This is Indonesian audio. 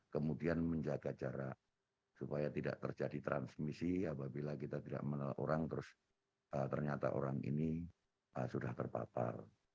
kemudian menjaga jarak supaya tidak terjadi transmisi apabila kita tidak menelah orang terus ternyata orang ini sudah terpapar